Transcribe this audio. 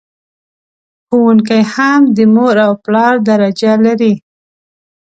ښوونکي هم د مور او پلار درجه لر...